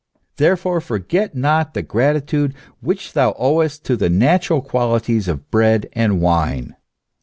Therefore forget not the gratitude which thou owest to the natural quali ties of bread and wine